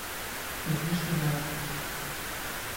點算呀